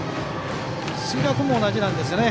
杉浦君も同じなんですよね。